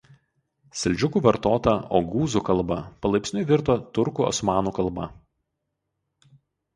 Seldžiukų vartota ogūzų kalba palaipsniui virto turkų osmanų kalba.